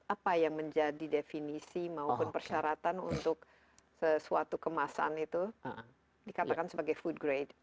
apa yang menjadi definisi maupun persyaratan untuk sesuatu kemasan itu dikatakan sebagai food grade